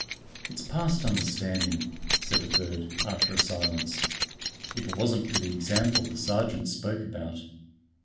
"It's past understanding," said a third, after a silence, "if it wasn't for the example the sergeant spoke about."